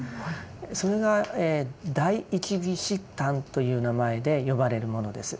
それが「第一義悉檀」という名前で呼ばれるものです。